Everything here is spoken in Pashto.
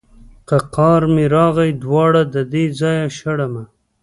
که قار مې راغی دواړه ددې ځايه شړمه.